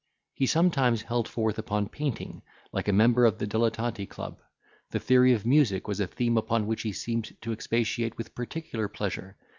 He sometimes held forth upon painting, like a member of the Dilettanti club. The theory of music was a theme upon which he seemed to expatiate with particular pleasure.